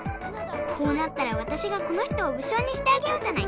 こうなったらわたしがこの人を武将にしてあげようじゃない！